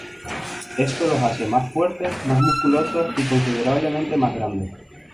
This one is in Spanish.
Esto los hace más fuertes, más musculosos y considerablemente más grandes.